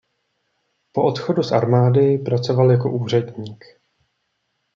Po odchodu z armády pracoval jako úředník.